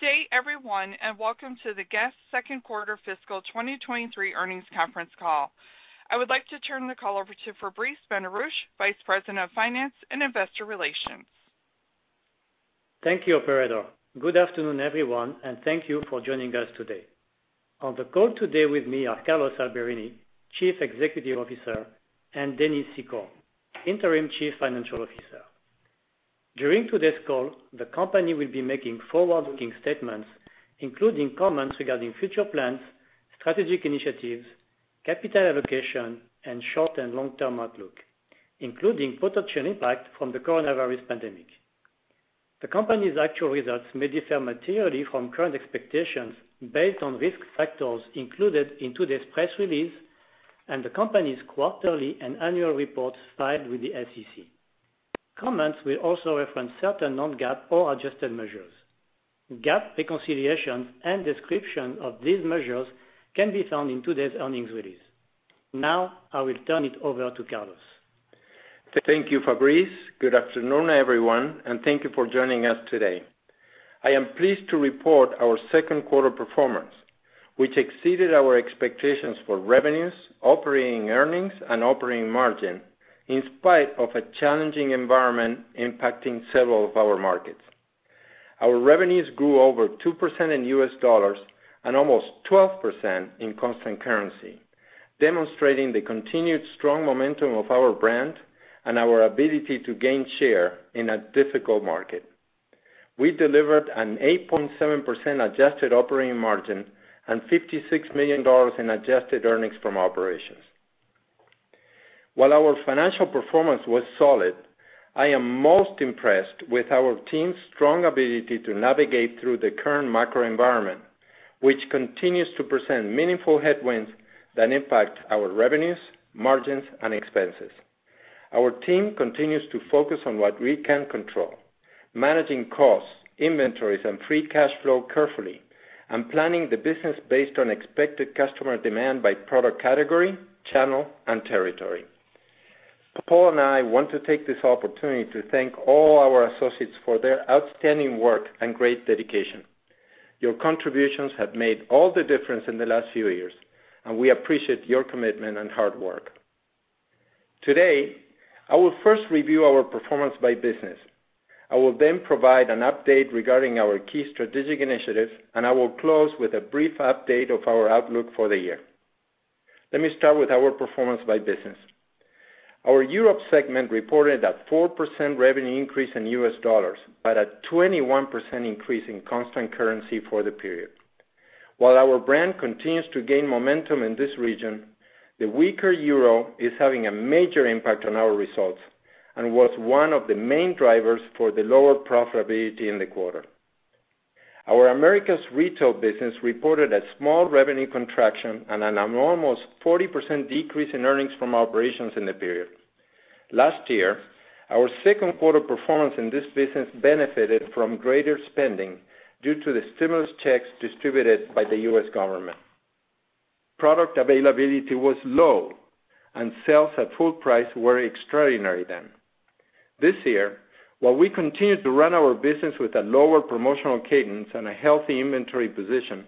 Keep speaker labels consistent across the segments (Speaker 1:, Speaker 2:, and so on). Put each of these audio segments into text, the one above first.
Speaker 1: Good day, everyone, and welcome to the Guess? Q2 fiscal 2023 earnings conference call. I would like to turn the call over to Fabrice Benarouche, Vice President of Finance and Investor Relations.
Speaker 2: Thank you, operator. Good afternoon, everyone, and thank you for joining us today. On the call today with me are Carlos Alberini, Chief Executive Officer, and Dennis Secor, Interim Chief Financial Officer. During today's call, the company will be making forward-looking statements, including comments regarding future plans, strategic initiatives, capital allocation, and short and long-term outlook, including potential impact from the coronavirus pandemic. The company's actual results may differ materially from current expectations based on risk factors included in today's press release and the company's quarterly and annual reports filed with the SEC. Comments will also reference certain non-GAAP or adjusted measures. GAAP reconciliation and description of these measures can be found in today's earnings release. Now I will turn it over to Carlos.
Speaker 3: Thank you, Fabrice. Good afternoon, everyone, and thank you for joining us today. I am pleased to report our Q2 performance, which exceeded our expectations for revenues, operating earnings, and operating margin in spite of a challenging environment impacting several of our markets. Our revenues grew over 2% in U.S. dollars and almost 12% in constant currency, demonstrating the continued strong momentum of our brand and our ability to gain share in a difficult market. We delivered an 8.7% adjusted operating margin and $56 million in adjusted earnings from operations. While our financial performance was solid, I am most impressed with our team's strong ability to navigate through the current macro environment, which continues to present meaningful headwinds that impact our revenues, margins, and expenses. Our team continues to focus on what we can control, managing costs, inventories, and free cash flow carefully, and planning the business based on expected customer demand by product category, channel, and territory. Paul and I want to take this opportunity to thank all our associates for their outstanding work and great dedication. Your contributions have made all the difference in the last few years, and we appreciate your commitment and hard work. Today, I will first review our performance by business. I will then provide an update regarding our key strategic initiatives, and I will close with a brief update of our outlook for the year. Let me start with our performance by business. Our Europe segment reported a 4% revenue increase in U.S. dollars, but a 21% increase in constant currency for the period. While our brand continues to gain momentum in this region, the weaker euro is having a major impact on our results and was one of the main drivers for the lower profitability in the quarter. Our Americas retail business reported a small revenue contraction and an enormous 40% decrease in earnings from operations in the period. Last year, our Q2 performance in this business benefited from greater spending due to the stimulus checks distributed by the U.S. government. Product availability was low, and sales at full price were extraordinary then. This year, while we continued to run our business with a lower promotional cadence and a healthy inventory position,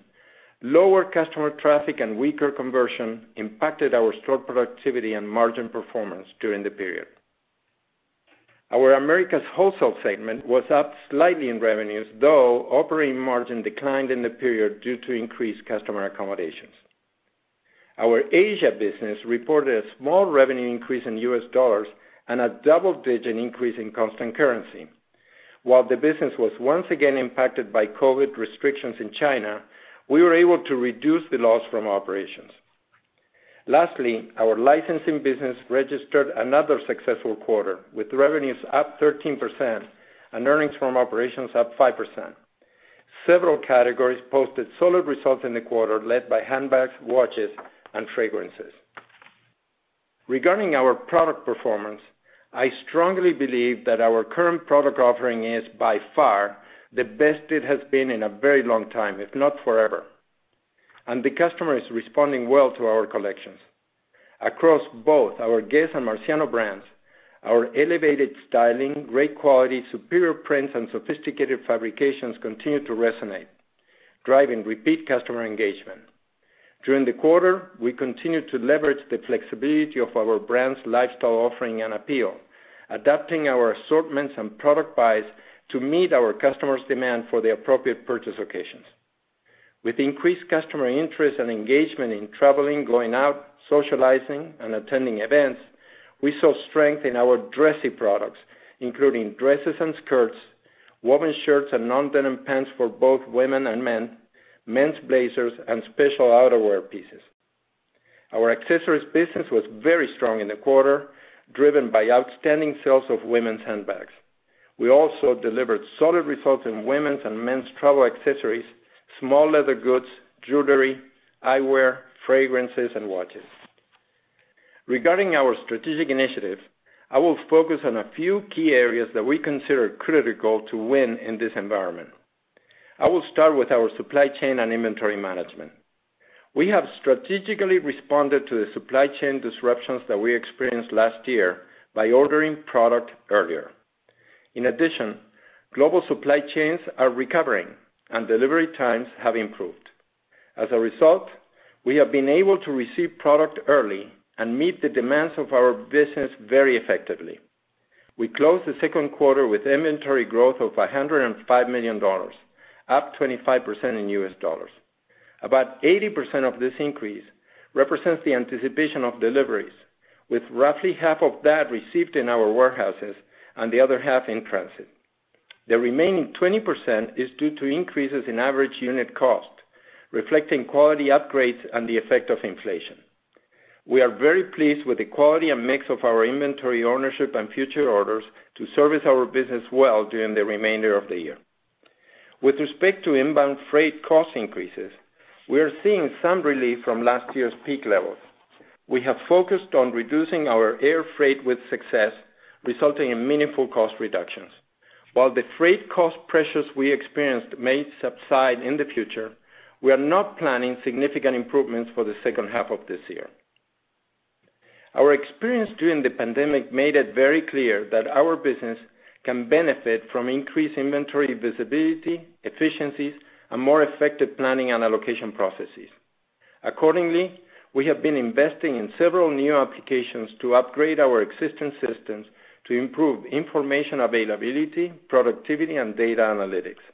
Speaker 3: lower customer traffic and weaker conversion impacted our store productivity and margin performance during the period. Our Americas wholesale segment was up slightly in revenues, though operating margin declined in the period due to increased customer accommodations. Our Asia business reported a small revenue increase in U.S. dollars and a double-digit increase in constant currency. While the business was once again impacted by COVID restrictions in China, we were able to reduce the loss from operations. Lastly, our licensing business registered another successful quarter, with revenues up 13% and earnings from operations up 5%. Several categories posted solid results in the quarter, led by handbags, watches, and fragrances. Regarding our product performance, I strongly believe that our current product offering is, by far, the best it has been in a very long time, if not forever, and the customer is responding well to our collections. Across both our Guess? and Marciano brands, our elevated styling, great quality, superior prints, and sophisticated fabrications continue to resonate, driving repeat customer engagement. During the quarter, we continued to leverage the flexibility of our brand's lifestyle offering and appeal, adapting our assortments and product buys to meet our customers' demand for the appropriate purchase occasions. With increased customer interest and engagement in traveling, going out, socializing, and attending events, we saw strength in our dressy products, including dresses and skirts, woven shirts, and non-denim pants for both women and men's blazers, and special outerwear pieces. Our accessories business was very strong in the quarter, driven by outstanding sales of women's handbags. We also delivered solid results in women's and men's travel accessories, small leather goods, jewelry, eyewear, fragrances, and watches. Regarding our strategic initiative, I will focus on a few key areas that we consider critical to win in this environment. I will start with our supply chain and inventory management. We have strategically responded to the supply chain disruptions that we experienced last year by ordering product earlier. In addition, global supply chains are recovering and delivery times have improved. As a result, we have been able to receive product early and meet the demands of our business very effectively. We closed the Q2 with inventory growth of $105 million, up 25% in U.S. dollars. About 80% of this increase represents the anticipation of deliveries, with roughly half of that received in our warehouses and the other half in transit. The remaining 20% is due to increases in average unit cost, reflecting quality upgrades and the effect of inflation. We are very pleased with the quality and mix of our inventory ownership and future orders to service our business well during the remainder of the year. With respect to inbound freight cost increases, we are seeing some relief from last year's peak levels. We have focused on reducing our air freight with success, resulting in meaningful cost reductions. While the freight cost pressures we experienced may subside in the future, we are not planning significant improvements for the second half of this year. Our experience during the pandemic made it very clear that our business can benefit from increased inventory visibility, efficiencies, and more effective planning and allocation processes. Accordingly, we have been investing in several new applications to upgrade our existing systems to improve information availability, productivity, and data analytics.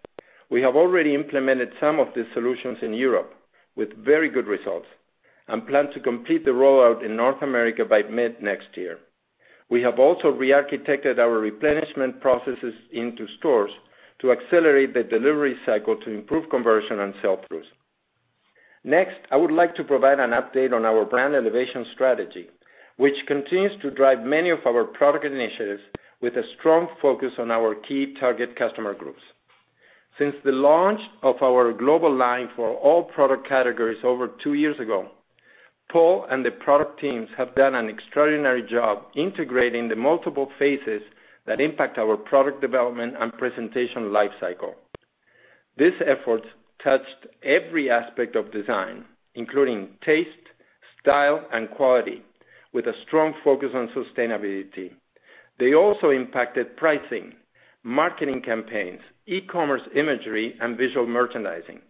Speaker 3: We have already implemented some of the solutions in Europe with very good results and plan to complete the rollout in North America by mid-next year. We have also re-architected our replenishment processes into stores to accelerate the delivery cycle to improve conversion and sell-throughs. Next, I would like to provide an update on our brand elevation strategy, which continues to drive many of our product initiatives with a strong focus on our key target customer groups. Since the launch of our global line for all product categories over two years ago, Paul and the product teams have done an extraordinary job integrating the multiple phases that impact our product development and presentation life cycle. This effort touched every aspect of design, including taste, style, and quality, with a strong focus on sustainability. They also impacted pricing, marketing campaigns, e-commerce imagery, and visual merchandising.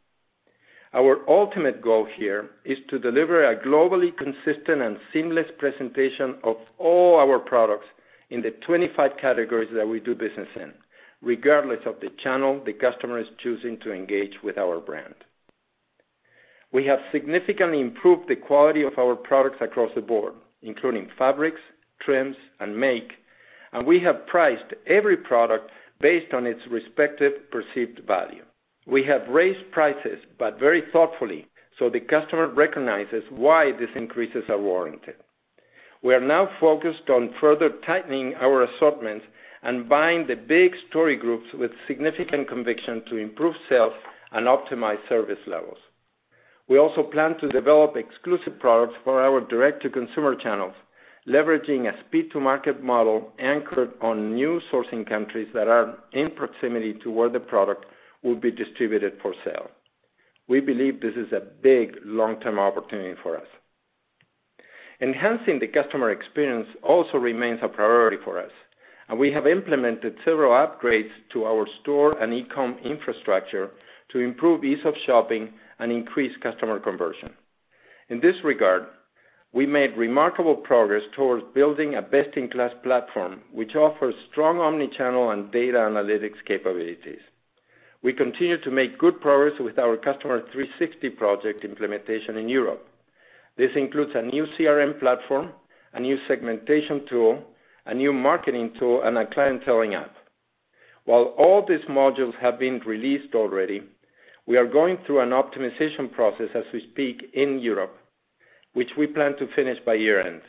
Speaker 3: Our ultimate goal here is to deliver a globally consistent and seamless presentation of all our products in the 25 categories that we do business in, regardless of the channel the customer is choosing to engage with our brand. We have significantly improved the quality of our products across the board, including fabrics, trims, and make, and we have priced every product based on its respective perceived value. We have raised prices, but very thoughtfully, so the customer recognizes why these increases are warranted. We are now focused on further tightening our assortment and buying the big story groups with significant conviction to improve sales and optimize service levels. We also plan to develop exclusive products for our direct-to-consumer channels, leveraging a speed-to-market model anchored on new sourcing countries that are in proximity to where the product will be distributed for sale. We believe this is a big long-term opportunity for us. Enhancing the customer experience also remains a priority for us, and we have implemented several upgrades to our store and e-com infrastructure to improve ease of shopping and increase customer conversion. In this regard, we made remarkable progress towards building a best-in-class platform, which offers strong omni-channel and data analytics capabilities. We continue to make good progress with our Customer 360 project implementation in Europe. This includes a new CRM platform, a new segmentation tool, a new marketing tool, and a clienteling app. While all these modules have been released already, we are going through an optimization process as we speak in Europe, which we plan to finish by year-end.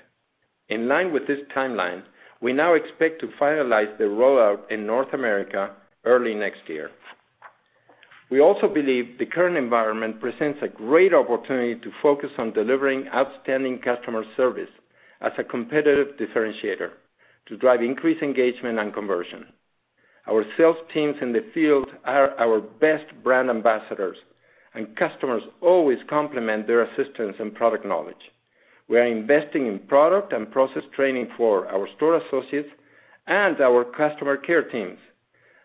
Speaker 3: In line with this timeline, we now expect to finalize the rollout in North America early next year. We also believe the current environment presents a great opportunity to focus on delivering outstanding customer service as a competitive differentiator to drive increased engagement and conversion. Our sales teams in the field are our best brand ambassadors, and customers always compliment their assistance and product knowledge. We are investing in product and process training for our store associates and our customer care teams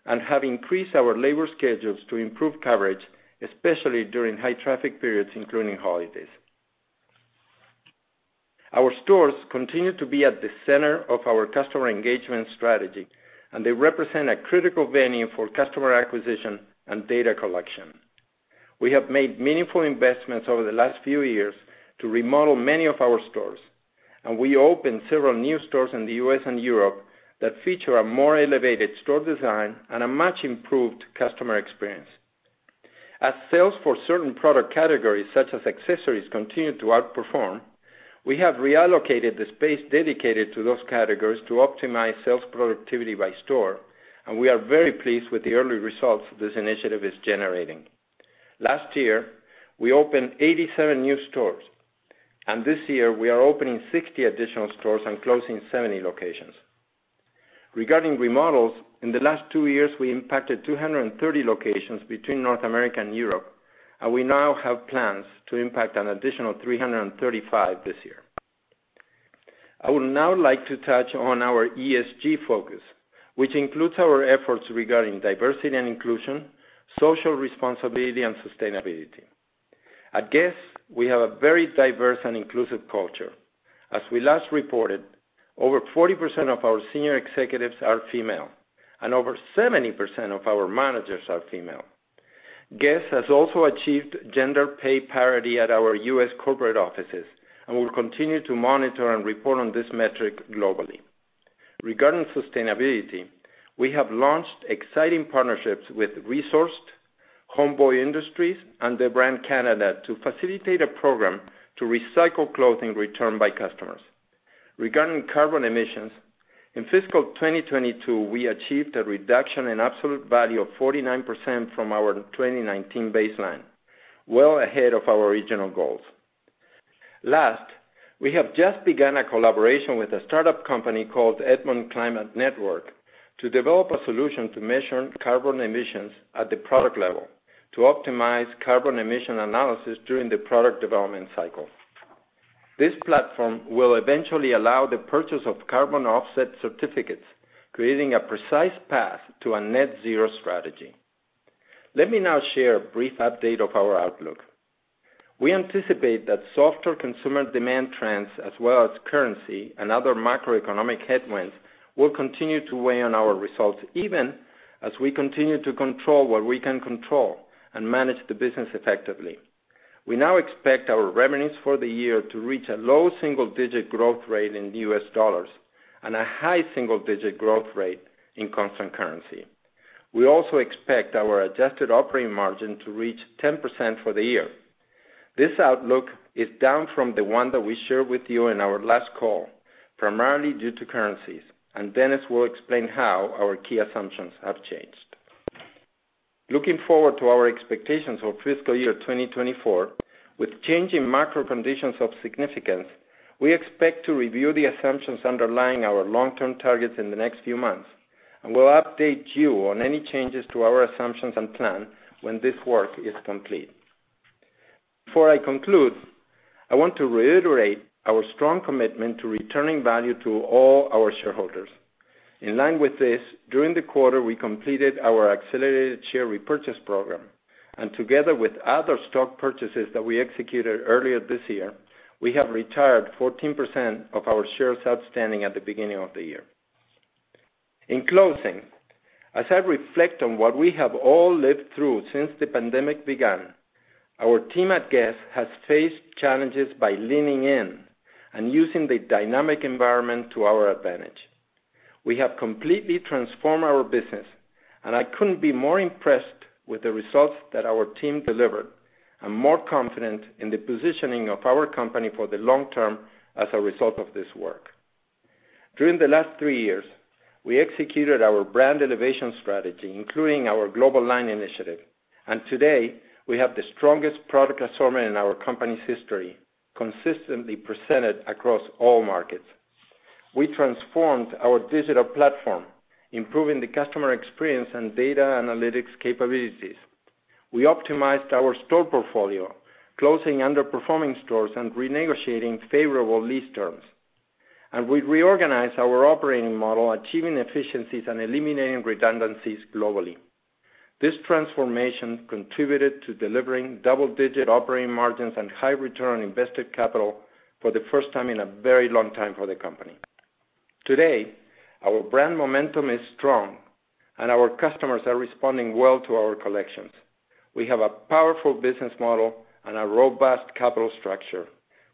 Speaker 3: and have increased our labor schedules to improve coverage, especially during high traffic periods, including holidays. Our stores continue to be at the center of our customer engagement strategy, and they represent a critical venue for customer acquisition and data collection. We have made meaningful investments over the last few years to remodel many of our stores, and we opened several new stores in the U.S. and Europe that feature a more elevated store design and a much improved customer experience. As sales for certain product categories, such as accessories, continue to outperform, we have reallocated the space dedicated to those categories to optimize sales productivity by store, and we are very pleased with the early results this initiative is generating. Last year, we opened 87 new stores, and this year we are opening 60 additional stores and closing 70 locations. Regarding remodels, in the last two years, we impacted 230 locations between North America and Europe, and we now have plans to impact an additional 335 this year. I would now like to touch on our ESG focus, which includes our efforts regarding diversity and inclusion, social responsibility and sustainability. At Guess?, we have a very diverse and inclusive culture. As we last reported, over 40% of our senior executives are female, and over 70% of our managers are female. Guess? has also achieved gender pay parity at our U.S. corporate offices, and we'll continue to monitor and report on this metric globally. Regarding sustainability, we have launched exciting partnerships with RESOURCED, Homeboy Industries, and Brands For Canada to facilitate a program to recycle clothing returned by customers. Regarding carbon emissions, in fiscal 2022, we achieved a reduction in absolute value of 49% from our 2019 baseline, well ahead of our regional goals. Last, we have just begun a collaboration with a startup company called Edmond Climate to develop a solution to measure carbon emissions at the product level to optimize carbon emission analysis during the product development cycle. This platform will eventually allow the purchase of carbon offset certificates, creating a precise path to a net zero strategy. Let me now share a brief update of our outlook. We anticipate that softer consumer demand trends as well as currency and other macroeconomic headwinds will continue to weigh on our results, even as we continue to control what we can control and manage the business effectively. We now expect our revenues for the year to reach a low single-digit growth rate in U.S. dollars and a high single-digit growth rate in constant currency. We also expect our adjusted operating margin to reach 10% for the year. This outlook is down from the one that we shared with you in our last call, primarily due to currencies, and Dennis will explain how our key assumptions have changed. Looking forward to our expectations for fiscal year 2024, with changing macro conditions of significance, we expect to review the assumptions underlying our long-term targets in the next few months, and we'll update you on any changes to our assumptions and plan when this work is complete. Before I conclude, I want to reiterate our strong commitment to returning value to all our shareholders. In line with this, during the quarter, we completed our accelerated share repurchase program, and together with other stock purchases that we executed earlier this year, we have retired 14% of our shares outstanding at the beginning of the year. In closing, as I reflect on what we have all lived through since the pandemic began, our team at Guess? has faced challenges by leaning in and using the dynamic environment to our advantage. We have completely transformed our business, and I couldn't be more impressed with the results that our team delivered. I'm more confident in the positioning of our company for the long term as a result of this work. During the last three years, we executed our brand innovation strategy, including our global line initiative, and today, we have the strongest product assortment in our company's history, consistently presented across all markets. We transformed our digital platform, improving the customer experience and data analytics capabilities. We optimized our store portfolio, closing underperforming stores and renegotiating favorable lease terms. We reorganized our operating model, achieving efficiencies and eliminating redundancies globally. This transformation contributed to delivering double-digit operating margins and high return on invested capital for the first time in a very long time for the company. Today, our brand momentum is strong and our customers are responding well to our collections. We have a powerful business model and a robust capital structure.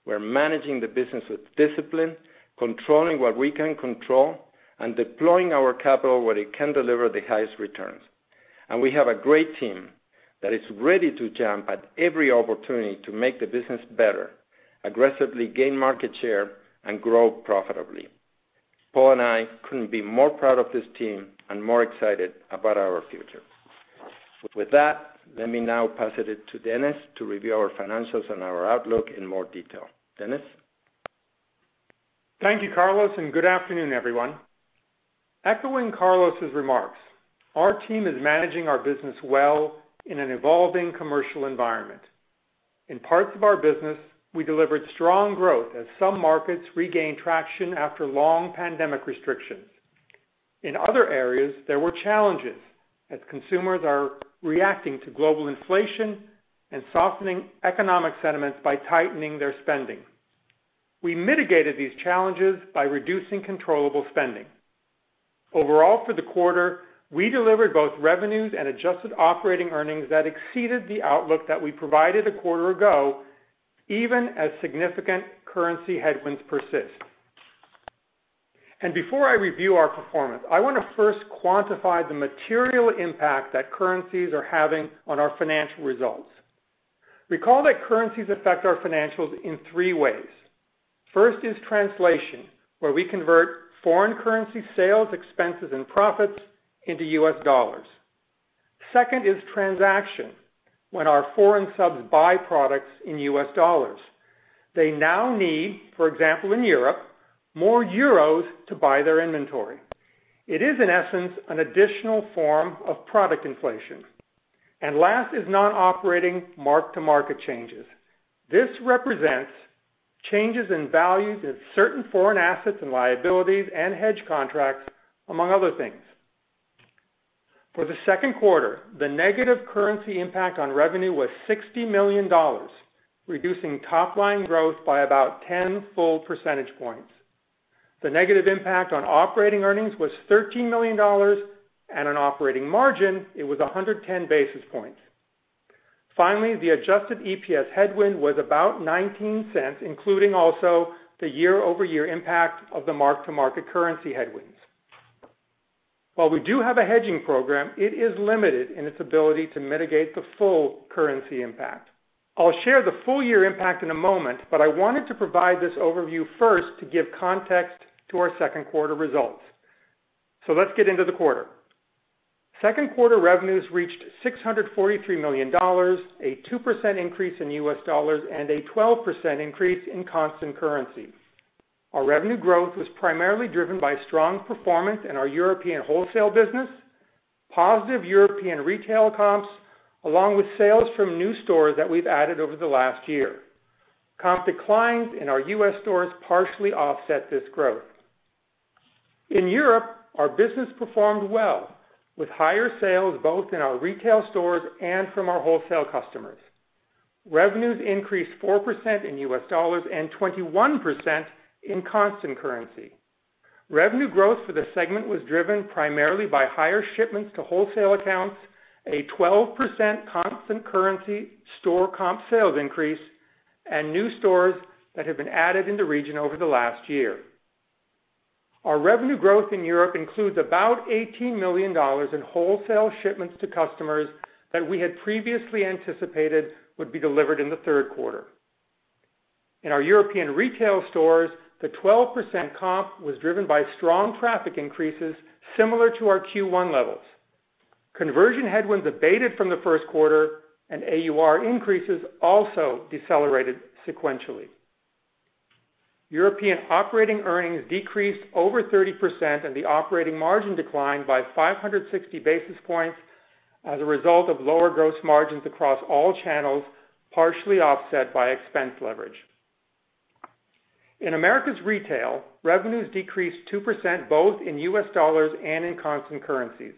Speaker 3: We're managing the business with discipline, controlling what we can control, and deploying our capital where it can deliver the highest returns. We have a great team that is ready to jump at every opportunity to make the business better, aggressively gain market share, and grow profitably. Paul and I couldn't be more proud of this team and more excited about our future. With that, let me now pass it to Dennis to review our financials and our outlook in more detail. Dennis?
Speaker 4: Thank you, Carlos, and good afternoon, everyone. Echoing Carlos' remarks, our team is managing our business well in an evolving commercial environment. In parts of our business, we delivered strong growth as some markets regained traction after long pandemic restrictions. In other areas, there were challenges as consumers are reacting to global inflation and softening economic sentiments by tightening their spending. We mitigated these challenges by reducing controllable spending. Overall, for the quarter, we delivered both revenues and adjusted operating earnings that exceeded the outlook that we provided a quarter ago, even as significant currency headwinds persist. Before I review our performance, I wanna first quantify the material impact that currencies are having on our financial results. Recall that currencies affect our financials in three ways. First is translation, where we convert foreign currency sales, expenses, and profits into U.S. dollars. Second is transaction. When our foreign subs buy products in U.S. dollars, they now need, for example, in Europe, more euros to buy their inventory. It is in essence an additional form of product inflation. Last is non-operating mark-to-market changes. This represents changes in values of certain foreign assets and liabilities and hedge contracts, among other things. For the Q2, the negative currency impact on revenue was $60 million, reducing top line growth by about 10 full percentage points. The negative impact on operating earnings was $13 million and an operating margin, it was 110 basis points. Finally, the adjusted EPS headwind was about $0.19, including also the year-over-year impact of the mark-to-market currency headwinds. While we do have a hedging program, it is limited in its ability to mitigate the full currency impact. I'll share the full year impact in a moment, but I wanted to provide this overview first to give context to our Q2 results. Let's get into the quarter. Q2 revenues reached $643 million, a 2% increase in U.S. dollars and a 12% increase in constant currency. Our revenue growth was primarily driven by strong performance in our European wholesale business, positive European retail comps, along with sales from new stores that we've added over the last year. Comp declines in our U.S. stores partially offset this growth. In Europe, our business performed well with higher sales both in our retail stores and from our wholesale customers. Revenues increased 4% in U.S. dollars and 21% in constant currency. Revenue growth for the segment was driven primarily by higher shipments to wholesale accounts, a 12% constant currency store comp sales increase, and new stores that have been added in the region over the last year. Our revenue growth in Europe includes about $18 million in wholesale shipments to customers that we had previously anticipated would be delivered in the Q3. In our European retail stores, the 12% comp was driven by strong traffic increases similar to our Q1 levels. Conversion headwinds abated from the Q1 and AUR increases also decelerated sequentially. European operating earnings decreased over 30% and the operating margin declined by 560 basis points as a result of lower gross margins across all channels, partially offset by expense leverage. In Americas Retail, revenues decreased 2% both in U.S. dollars and in constant currencies.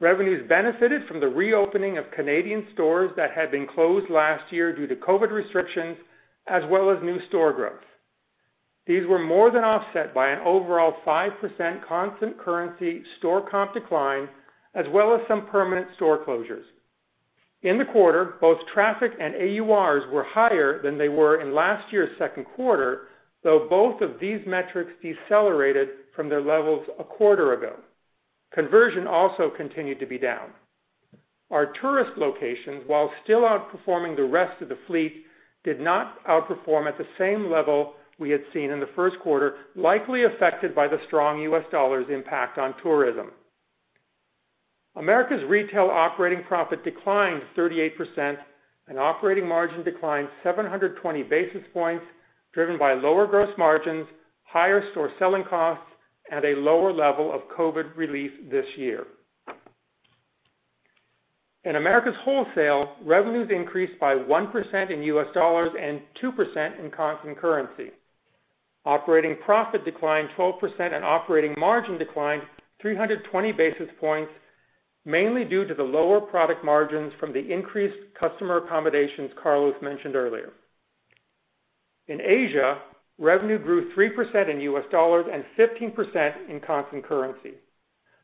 Speaker 4: Revenues benefited from the reopening of Canadian stores that had been closed last year due to COVID restrictions, as well as new store growth. These were more than offset by an overall 5% constant currency store comp decline, as well as some permanent store closures. In the quarter, both traffic and AURs were higher than they were in last year's Q2, though both of these metrics decelerated from their levels a quarter ago. Conversion also continued to be down. Our tourist locations, while still outperforming the rest of the fleet, did not outperform at the same level we had seen in the Q1, likely affected by the strong U.S. dollar's impact on tourism. Americas Retail operating profit declined 38% and operating margin declined 720 basis points, driven by lower gross margins, higher store selling costs, and a lower level of COVID relief this year. In America's Wholesale, revenues increased by 1% in U.S. dollars and 2% in constant currency. Operating profit declined 12% and operating margin declined 320 basis points, mainly due to the lower product margins from the increased customer accommodations Carlos mentioned earlier. In Asia, revenue grew 3% in U.S. dollars and 15% in constant currency.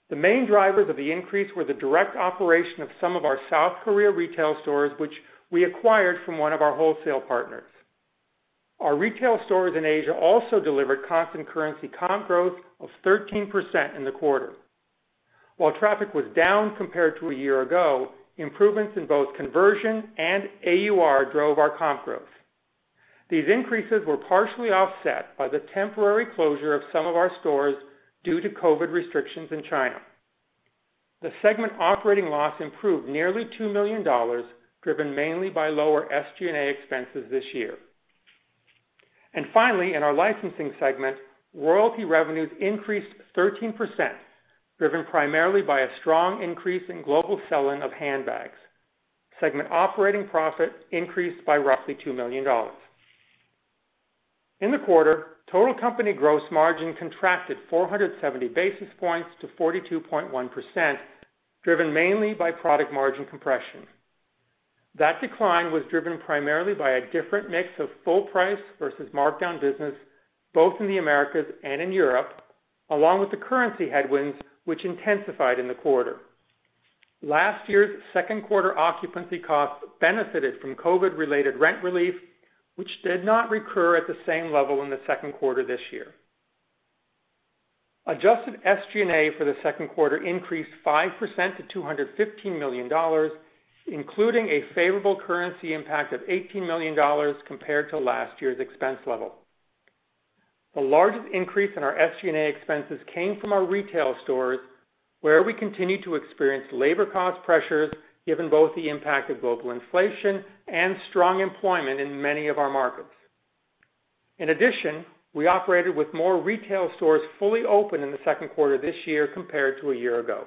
Speaker 4: The main drivers of the increase were the direct operation of some of our South Korea retail stores, which we acquired from one of our wholesale partners. Our retail stores in Asia also delivered constant currency comp growth of 13% in the quarter. While traffic was down compared to a year ago, improvements in both conversion and AUR drove our comp growth. These increases were partially offset by the temporary closure of some of our stores due to COVID restrictions in China. The segment operating loss improved nearly $2 million, driven mainly by lower SG&A expenses this year. Finally, in our licensing segment, royalty revenues increased 13%, driven primarily by a strong increase in global sell-in of handbags. Segment operating profit increased by roughly $2 million. In the quarter, total company gross margin contracted 470 basis points to 42.1%, driven mainly by product margin compression. That decline was driven primarily by a different mix of full price versus markdown business, both in the Americas and in Europe, along with the currency headwinds which intensified in the quarter. Last year's Q2 occupancy costs benefited from COVID-related rent relief, which did not recur at the same level in the Q2 this year. Adjusted SG&A for the Q2 increased 5% to $215 million, including a favorable currency impact of $18 million compared to last year's expense level. The largest increase in our SG&A expenses came from our retail stores, where we continued to experience labor cost pressures, given both the impact of global inflation and strong employment in many of our markets. In addition, we operated with more retail stores fully open in the Q2 this year compared to a year ago.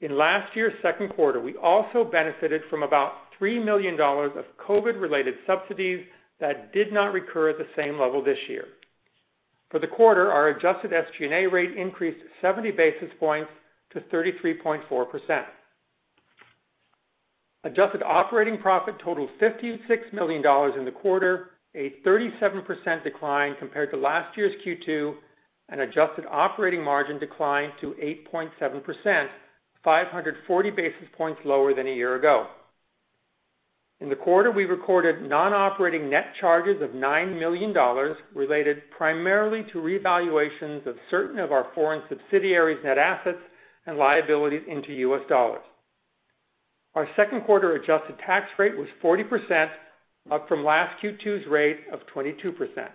Speaker 4: In last year's Q2, we also benefited from about $3 million of COVID-related subsidies that did not recur at the same level this year. For the quarter, our adjusted SG&A rate increased 70 basis points to 33.4%. Adjusted operating profit totaled $56 million in the quarter, a 37% decline compared to last year's Q2 and adjusted operating margin decline to 8.7%, 540 basis points lower than a year ago. In the quarter, we recorded non-operating net charges of $9 million related primarily to revaluations of certain of our foreign subsidiaries' net assets and liabilities into U.S. dollars. Our Q2 adjusted tax rate was 40%, up from last Q2's rate of 22%.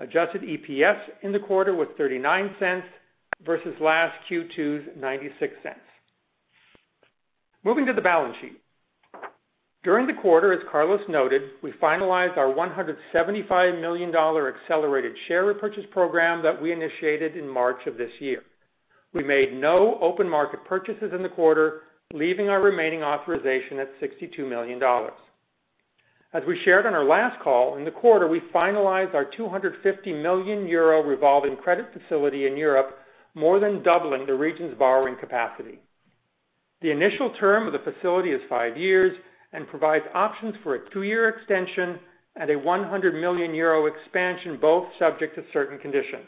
Speaker 4: Adjusted EPS in the quarter was $0.39 versus last Q2's $0.96. Moving to the balance sheet. During the quarter, as Carlos noted, we finalized our $175 million accelerated share repurchase program that we initiated in March of this year. We made no open market purchases in the quarter, leaving our remaining authorization at $62 million. As we shared on our last call, in the quarter, we finalized our 250 million euro revolving credit facility in Europe, more than doubling the region's borrowing capacity. The initial term of the facility is five years and provides options for a two-year extension and a 100 million euro expansion, both subject to certain conditions.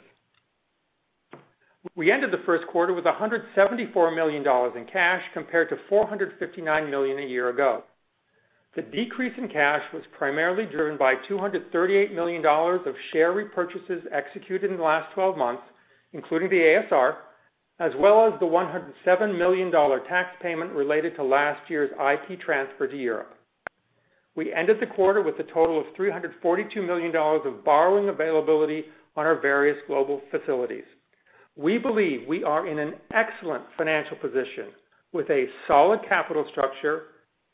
Speaker 4: We ended the Q1 with $174 million in cash compared to $459 million a year ago. The decrease in cash was primarily driven by $238 million of share repurchases executed in the last 12 months, including the ASR, as well as the $107 million tax payment related to last year's IP transfer to Europe. We ended the quarter with a total of $342 million of borrowing availability on our various global facilities. We believe we are in an excellent financial position with a solid capital structure,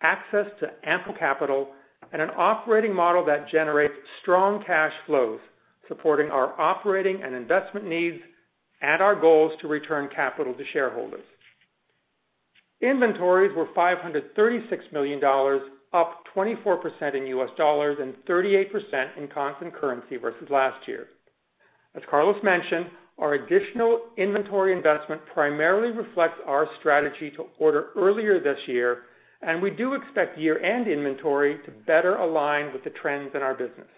Speaker 4: access to ample capital, and an operating model that generates strong cash flows, supporting our operating and investment needs and our goals to return capital to shareholders. Inventories were $536 million, up 24% in U.S. dollars and 38% in constant currency versus last year. As Carlos mentioned, our additional inventory investment primarily reflects our strategy to order earlier this year, and we do expect year-end inventory to better align with the trends in our business.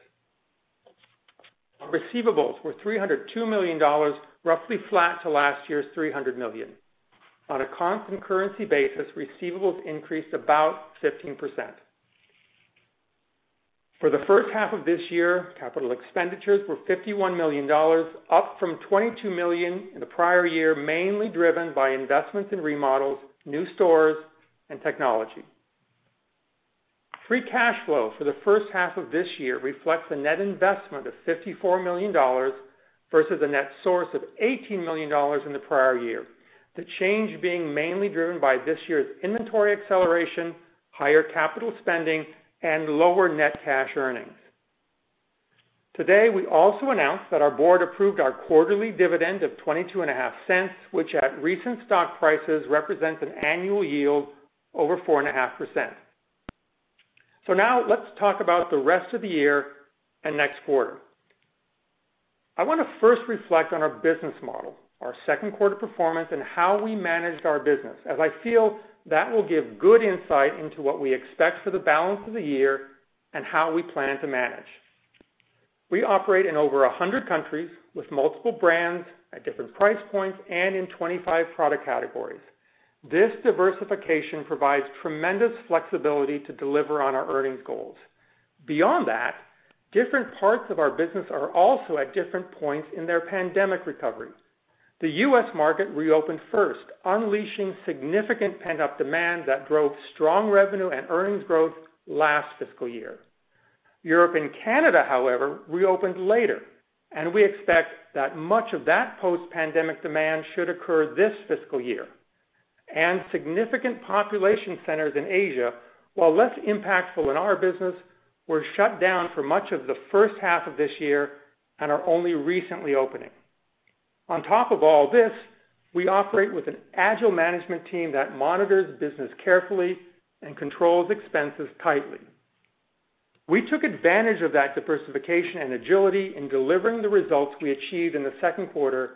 Speaker 4: Our receivables were $302 million, roughly flat to last year's $300 million. On a constant currency basis, receivables increased about 15%. For the H1 of this year, capital expenditures were $51 million, up from $22 million in the prior year, mainly driven by investments in remodels, new stores, and technology. Free cash flow for the H1 of this year reflects a net investment of $54 million versus a net source of $18 million in the prior year. The change being mainly driven by this year's inventory acceleration, higher capital spending, and lower net cash earnings. Today, we also announced that our board approved our quarterly dividend of $0.225, which at recent stock prices represents an annual yield over 4.5%. Now let's talk about the rest of the year and next quarter. I wanna first reflect on our business model, our Q2 performance, and how we managed our business, as I feel that will give good insight into what we expect for the balance of the year and how we plan to manage. We operate in over 100 countries with multiple brands at different price points and in 25 product categories. This diversification provides tremendous flexibility to deliver on our earnings goals. Beyond that, different parts of our business are also at different points in their pandemic recovery. The U.S. market reopened first, unleashing significant pent-up demand that drove strong revenue and earnings growth last fiscal year. Europe and Canada, however, reopened later, and we expect that much of that post-pandemic demand should occur this fiscal year. Significant population centers in Asia, while less impactful in our business, were shut down for much of the H1 of this year and are only recently opening. On top of all this, we operate with an agile management team that monitors business carefully and controls expenses tightly. We took advantage of that diversification and agility in delivering the results we achieved in the Q2,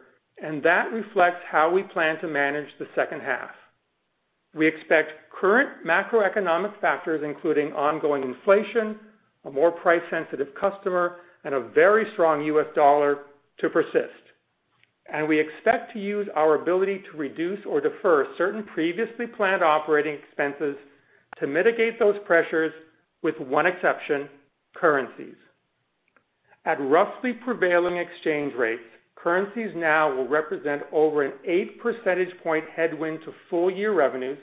Speaker 4: and that reflects how we plan to manage the second half. We expect current macroeconomic factors, including ongoing inflation, a more price-sensitive customer, and a very strong U.S. dollar to persist. We expect to use our ability to reduce or defer certain previously planned operating expenses to mitigate those pressures with one exception, currencies. At roughly prevailing exchange rates, currencies now will represent over an 8 percentage point headwind to full-year revenues.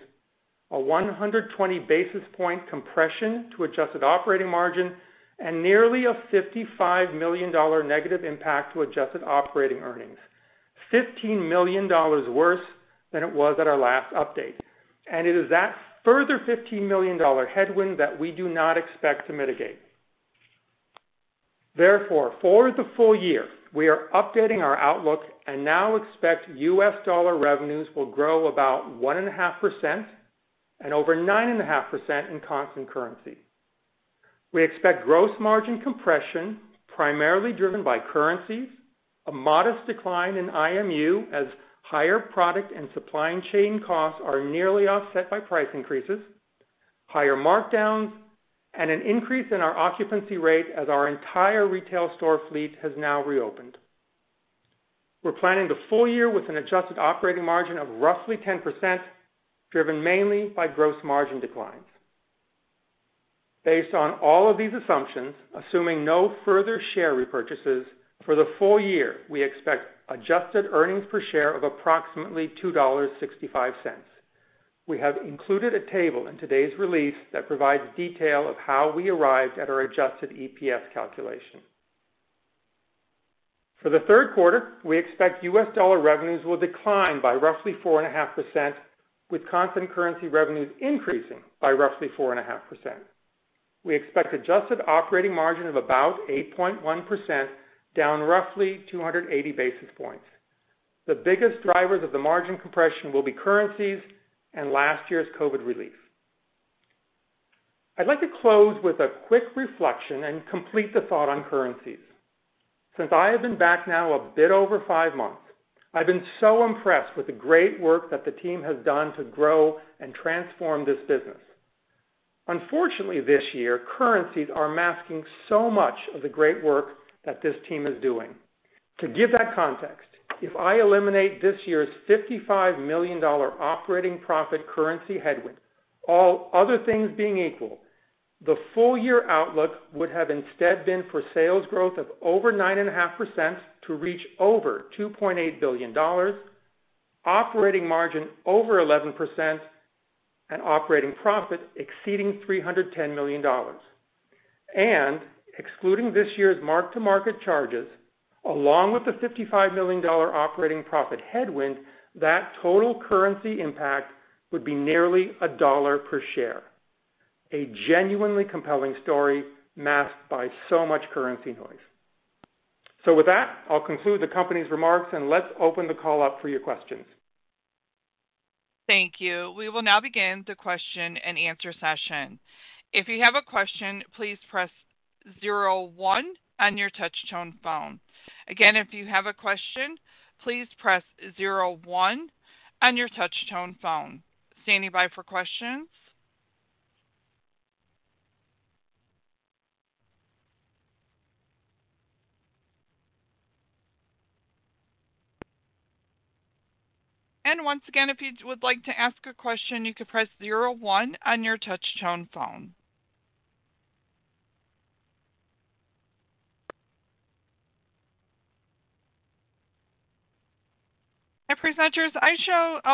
Speaker 4: A 120 basis point compression to adjusted operating margin and nearly a $55 million negative impact to adjusted operating earnings. $15 million worse than it was at our last update. It is that further $15 million headwind that we do not expect to mitigate. Therefore, for the full year, we are updating our outlook and now expect U.S. dollar revenues will grow about 1.5% and over 9.5% in constant currency. We expect gross margin compression primarily driven by currencies, a modest decline in IMU as higher product and supply chain costs are nearly offset by price increases, higher markdowns, and an increase in our occupancy rate as our entire retail store fleet has now reopened. We're planning the full year with an adjusted operating margin of roughly 10%, driven mainly by gross margin declines. Based on all of these assumptions, assuming no further share repurchases for the full year, we expect adjusted earnings per share of approximately $2.65. We have included a table in today's release that provides detail of how we arrived at our adjusted EPS calculation. For the Q3, we expect U.S. dollar revenues will decline by roughly 4.5%, with constant currency revenues increasing by roughly 4.5%. We expect adjusted operating margin of about 8.1%, down roughly 280 basis points. The biggest drivers of the margin compression will be currencies and last year's COVID relief. I'd like to close with a quick reflection and complete the thought on currencies. Since I have been back now a bit over five months, I've been so impressed with the great work that the team has done to grow and transform this business. Unfortunately, this year, currencies are masking so much of the great work that this team is doing. To give that context, if I eliminate this year's $55 million operating profit currency headwind, all other things being equal, the full-year outlook would have instead been for sales growth of over 9.5% to reach over $2.8 billion, operating margin over 11% and operating profit exceeding $310 million. Excluding this year's mark-to-market charges, along with the $55 million operating profit headwind, that total currency impact would be nearly $1 per share. A genuinely compelling story masked by so much currency noise. With that, I'll conclude the company's remarks, and let's open the call up for your questions.
Speaker 1: Thank you. We will now begin the question-and-answer session. If you have a question, please press zero one on your touch tone phone. Again, if you have a question, please press zero one on your touch tone phone. Standing by for questions. Once again, if you would like to ask a question, you can press zero one on your touch tone phone. Presenters,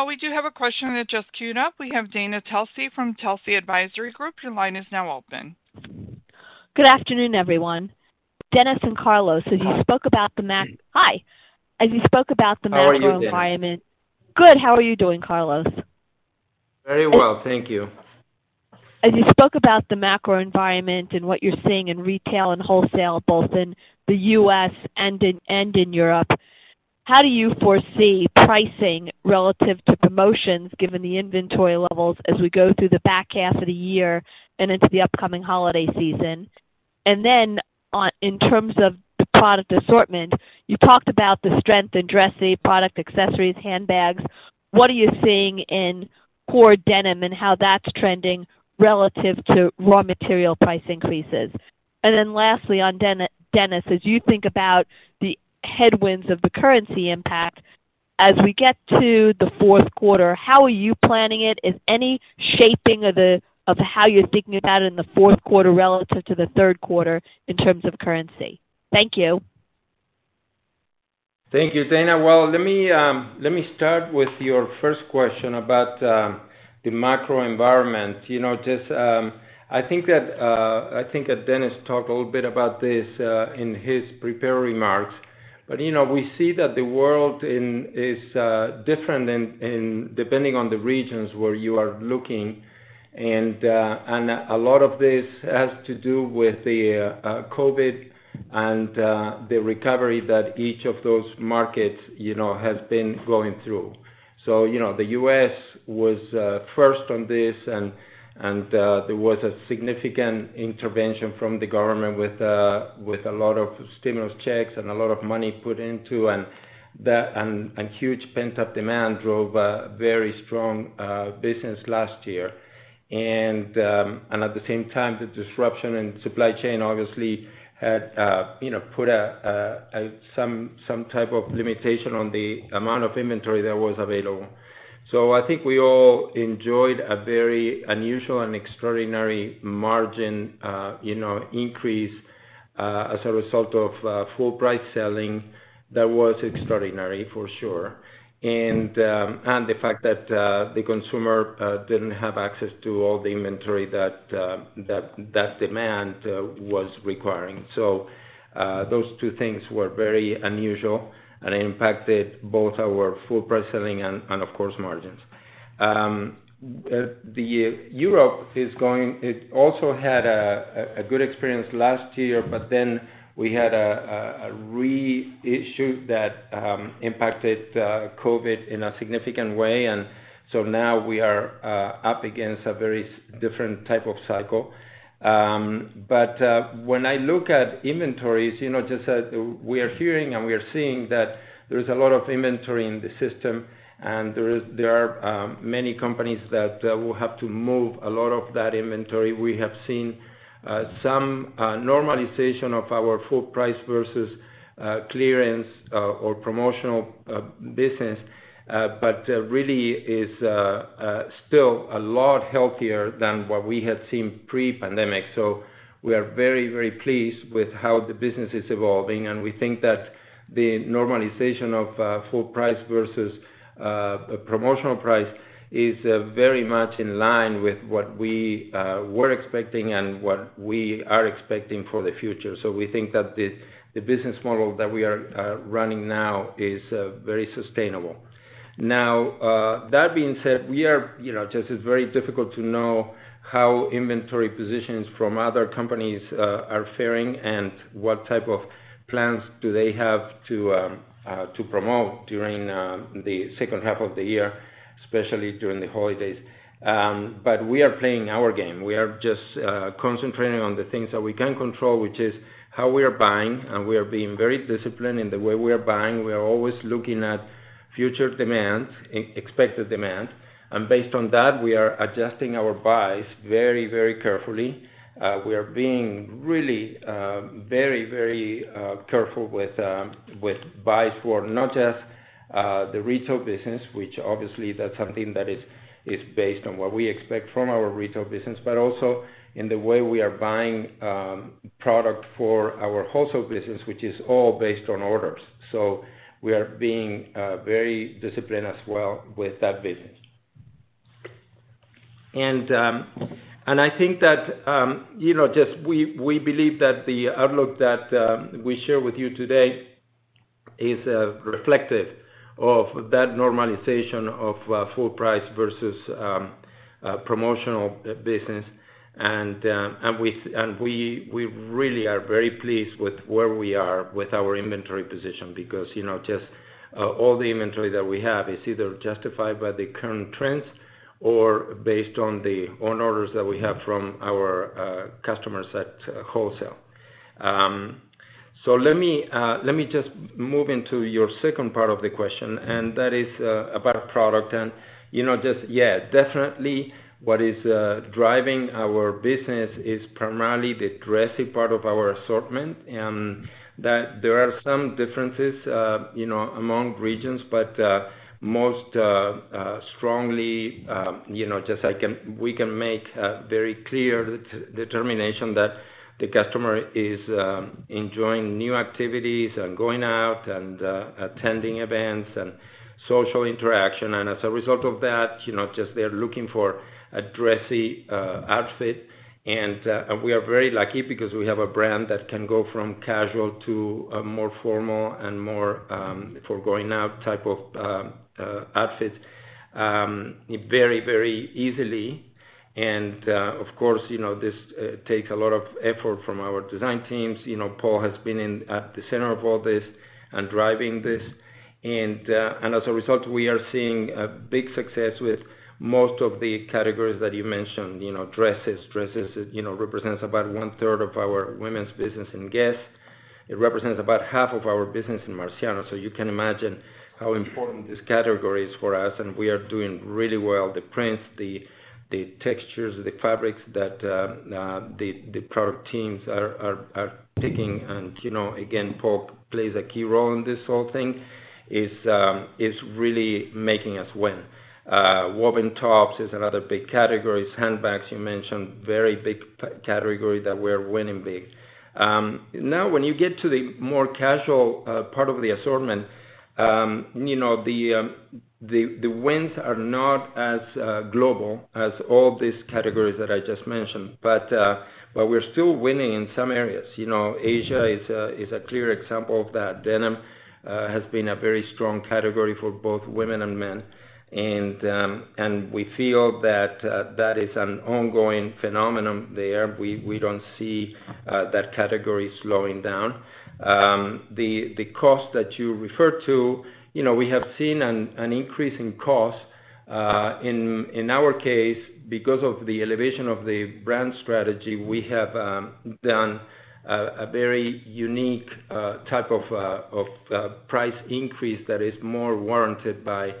Speaker 1: we do have a question that just queued up. We have Dana Telsey from Telsey Advisory Group. Your line is now open.
Speaker 5: Good afternoon, everyone. Dennis and Carlos, as you spoke about the macro environment.
Speaker 3: How are you, Dana? Good. How are you doing, Carlos? Very well. Thank you.
Speaker 5: As you spoke about the macro environment and what you're seeing in retail and wholesale, both in the U.S. and in Europe, how do you foresee pricing relative to promotions given the inventory levels as we go through the back half of the year and into the upcoming holiday season? Then in terms of the product assortment, you talked about the strength in dressy product accessories, handbags. What are you seeing in core denim and how that's trending relative to raw material price increases? Then lastly, on Dennis, as you think about the headwinds of the currency impact as we get to the Q4, how are you planning it? Is any shaping of how you're thinking about it in the Q4 relative to the Q3 in terms of currency? Thank you.
Speaker 3: Thank you, Dana. Well, let me start with your first question about the macro environment. You know, just, I think that Dennis talked a little bit about this in his prepared remarks. You know, we see that the world is different depending on the regions where you are looking. A lot of this has to do with the COVID The recovery that each of those markets, you know, has been going through. You know, the U.S. was first on this and there was a significant intervention from the government with a lot of stimulus checks and a lot of money put into, and that. Huge pent-up demand drove a very strong business last year. At the same time, the disruption in supply chain obviously had, you know, put some type of limitation on the amount of inventory that was available. I think we all enjoyed a very unusual and extraordinary margin, you know, increase as a result of full price selling that was extraordinary for sure. The fact that the consumer didn't have access to all the inventory that demand was requiring. Those two things were very unusual, and it impacted both our full price selling and of course, margins. Europe is going. It also had a good experience last year, but then we had a reissue that impacted COVID in a significant way. Now we are up against a very different type of cycle. When I look at inventories, you know, just we are hearing and we are seeing that there is a lot of inventory in the system, and there are many companies that will have to move a lot of that inventory. We have seen some normalization of our full price versus clearance or promotional business. It really is still a lot healthier than what we had seen pre-pandemic. We are very, very pleased with how the business is evolving, and we think that the normalization of full price versus promotional price is very much in line with what we were expecting and what we are expecting for the future. We think that the business model that we are running now is very sustainable. Now, that being said, you know, it's very difficult to know how inventory positions from other companies are faring and what type of plans do they have to promote during the second half of the year, especially during the holidays. We are playing our game. We are just concentrating on the things that we can control, which is how we are buying, and we are being very disciplined in the way we are buying. We are always looking at future demand, expected demand. Based on that, we are adjusting our buys very carefully. We are being really very careful with buys for not just the retail business, which obviously that's something that is based on what we expect from our retail business, but also in the way we are buying product for our wholesale business, which is all based on orders. We are being very disciplined as well with that business. I think that, you know, just we believe that the outlook that we share with you today is reflective of that normalization of full price versus promotional business. We really are very pleased with where we are with our inventory position because, you know, just all the inventory that we have is either justified by the current trends or based on the orders that we have from our customers at wholesale. Let me just move into your second part of the question, and that is about product. You know, just, yeah, definitely what is driving our business is primarily the dressy part of our assortment that there are some differences, you know, among regions. Most strongly, you know, we can make a very clear determination that the customer is enjoying new activities and going out and attending events and social interaction. As a result of that, you know, just they're looking for a dressy outfit. We are very lucky because we have a brand that can go from casual to a more formal and more for going out type of outfit very easily. Of course, you know, this takes a lot of effort from our design teams. You know, Paul has been at the center of all this and driving this. As a result, we are seeing a big success with most of the categories that you mentioned, you know, dresses. Dresses, you know, represents about one-third of our women's business in Guess?. It represents about half of our business in Marciano. You can imagine how important this category is for us, and we are doing really well. The prints, the textures, the fabrics that the product teams are picking, and, you know, again, Paul plays a key role in this whole thing, is really making us win. Woven tops is another big category. Handbags, you mentioned, very big category that we're winning big. Now when you get to the more casual part of the assortment, you know, the wins are not as global as all these categories that I just mentioned. We're still winning in some areas. You know, Asia is a clear example of that. Denim has been a very strong category for both women and men, and we feel that that is an ongoing phenomenon there. We don't see that category slowing down. The cost that you referred to, you know, we have seen an increase in cost. In our case, because of the elevation of the brand strategy, we have done a very unique type of price increase that is more warranted by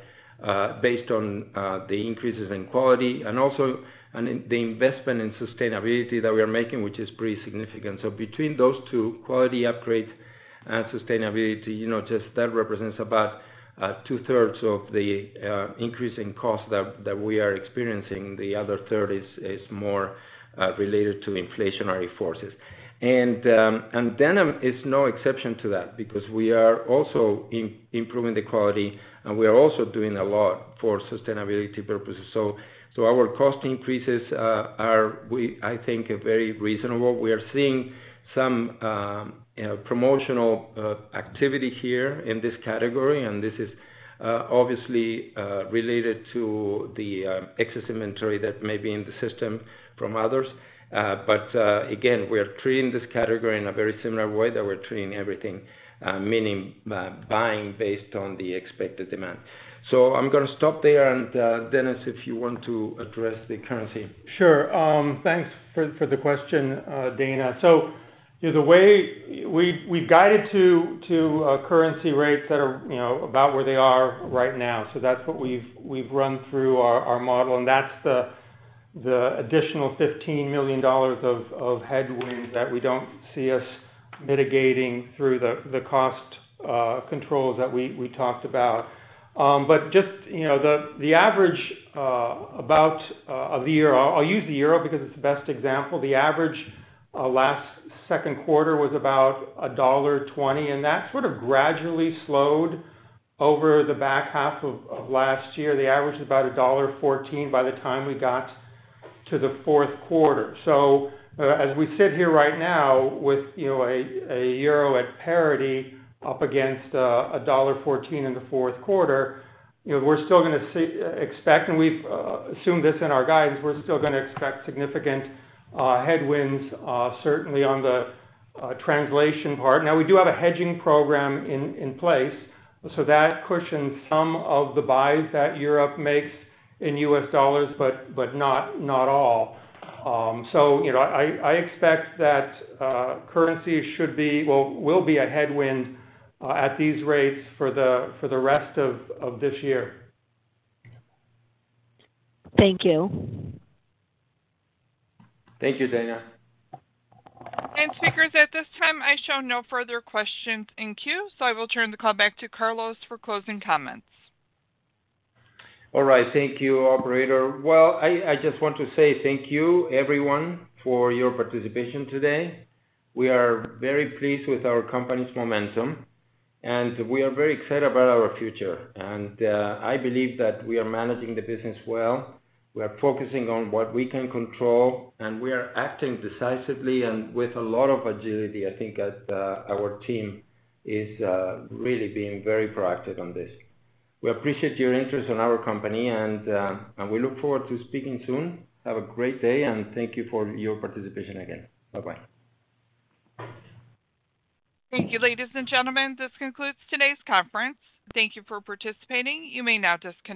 Speaker 3: based on the increases in quality and also the investment in sustainability that we are making, which is pretty significant. Between those two, quality upgrades and sustainability, you know, just that represents about two-thirds of the increase in cost that we are experiencing. The other third is more related to inflationary forces. Denim is no exception to that because we are also improving the quality, and we are also doing a lot for sustainability purposes. Our cost increases I think are very reasonable. We are seeing some, you know, promotional activity here in this category, and this is obviously related to the excess inventory that may be in the system from others. Again, we are treating this category in a very similar way that we're treating everything, meaning buying based on the expected demand. I'm gonna stop there, and Dennis, if you want to address the currency.
Speaker 4: Sure. Thanks for the question, Dana. We guided to currency rates that are, you know, about where they are right now. That's what we've run through our model, and that's the additional $15 million of headwind that we don't see us mitigating through the cost controls that we talked about. But just, you know, the average of the euro. I'll use the euro because it's the best example. The average last Q2 was about $1.20, and that sort of gradually slowed over the back half of last year. The average is about $1.14 by the time we got to the Q4. As we sit here right now with Euro at parity up against $1.14 in the Q4, we're still gonna expect, and we've assumed this in our guidance, we're still gonna expect significant headwinds certainly on the translation part. We do have a hedging program in place, so that cushions some of the buys that Europe makes in U.S. dollars, but not all. I expect that currency will be a headwind at these rates for the rest of this year.
Speaker 5: Thank you.
Speaker 3: Thank you, Danielle.
Speaker 1: Speakers, at this time, I show no further questions in queue, so I will turn the call back to Carlos Alberini for closing comments.
Speaker 3: All right. Thank you, operator. Well, I just want to say thank you everyone for your participation today. We are very pleased with our company's momentum, and we are very excited about our future. I believe that we are managing the business well. We are focusing on what we can control, and we are acting decisively and with a lot of agility. I think our team is really being very proactive on this. We appreciate your interest in our company and we look forward to speaking soon. Have a great day, and thank you for your participation again. Bye-bye.
Speaker 1: Thank you, ladies and gentlemen. This concludes today's conference. Thank you for participating. You may now disconnect.